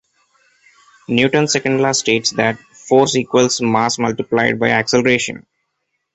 Newton's Second Law states that force equals mass multiplied by acceleration.